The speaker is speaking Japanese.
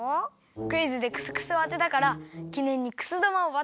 クイズでクスクスをあてたからきねんにくすだまをわったんだよ。